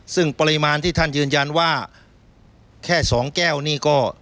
ซึ่งปริมาณที่ท่านยืนยันว่าแค่๒แก้วนี่ก็